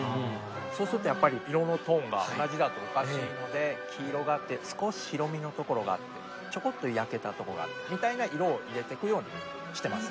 そうするとやっぱり色のトーンが同じだとおかしいので黄色があって少し白身のところがあってちょこっと焼けたとこがあってみたいな色を入れていくようにしてますね。